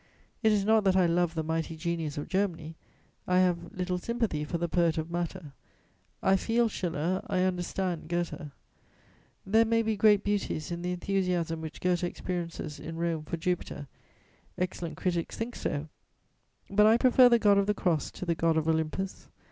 It is not that I love the mighty genius of Germany; I have little sympathy for the poet of matter: I feel Schiller, I understand Goethe. There may be great beauties in the enthusiasm which Goethe experiences in Rome for Jupiter: excellent critics think so; but I prefer the God of the Cross to the God of Olympus.